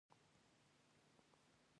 جنګ نه کول بهترین او مقدس موقف و.